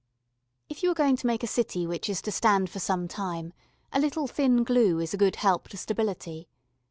If you are going to make a city which is to stand for some time, a little thin glue is a good help to stability.